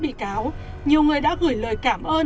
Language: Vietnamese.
bi cáo nhiều người đã gửi lời cảm ơn